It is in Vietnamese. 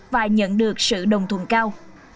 và nhận được sự đồng thuận cao